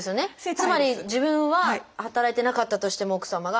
つまり自分は働いてなかったとしても奥様が。